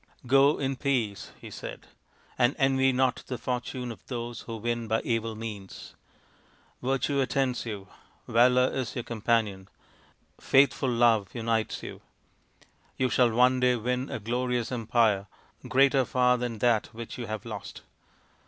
" Go in peace/' he said, " and envy not the fortune of those who win by evil means. Virtue attends you, Valour is your companion, Faithful Love unites you. You shall one day win a glorious empire, greater far than that which you have lost.